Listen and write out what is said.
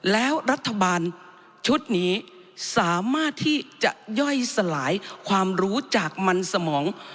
แล้วรัฐบาลชุดนี้สามารถที่จะย่อยสลายความรู้จากมันสมอง